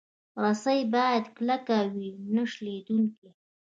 رسۍ باید کلکه وي، نه شلېدونکې.